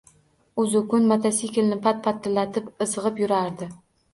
Uzzukun mototsiklni «pat-patlatib» izgʼib yurardi.